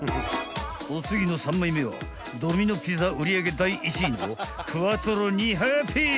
［お次の３枚目はドミノ・ピザ売り上げ第１位のクワトロ・２ハッピー］